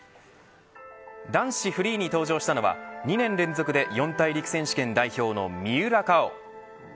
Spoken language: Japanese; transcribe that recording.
男子フリーに登場したのは２年連続で四大陸選手権代表の三浦佳生。